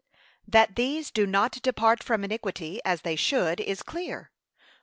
That these do not depart from iniquity, as they should, is clear.